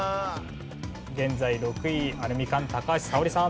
現在６位アルミカン高橋沙織さん。